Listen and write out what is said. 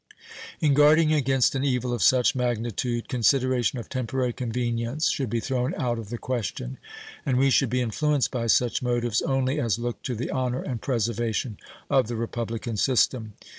In guarding against an evil of such magnitude consideration of temporary convenience should be thrown out of the question, and we should be influenced by such motives only as look to the honor and preservation of the republican system.